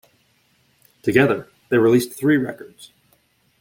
Together, they released three records.